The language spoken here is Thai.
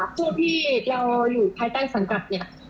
พวกที่เราอยู่ภายใต้สังกัดเนี่ย